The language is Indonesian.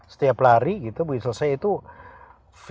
setiap lari gitu bisa saya itu feeling fresh